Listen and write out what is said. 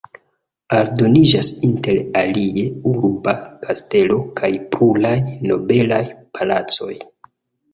Aldoniĝas inter alie urba kastelo kaj pluraj nobelaj palacoj.